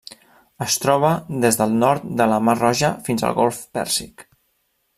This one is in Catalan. Es troba des del nord de la Mar Roja fins al Golf Pèrsic.